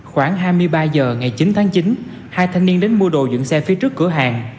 khoảng hai mươi ba h ngày chín tháng chín hai thanh niên đến mua đồ dựng xe phía trước cửa hàng